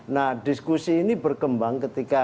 nah diskusi ini berkembang ketika